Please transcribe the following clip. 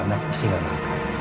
karena aku pasti gak makan